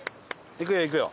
いくよいくよ。